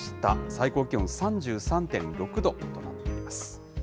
最高気温３３．６度となっています。